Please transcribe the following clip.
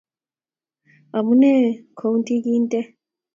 Amunee kounti kintee?